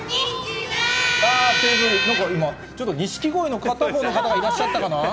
なんか今、ちょっとにしきごいの方が１人、いらっしゃったかな？